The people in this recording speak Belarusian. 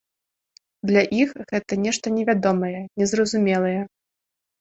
Для іх гэта нешта невядомае, незразумелае.